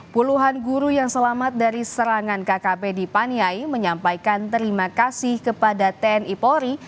puluhan guru yang selamat dari serangan kkp di paniai menyampaikan terima kasih kepada tni polri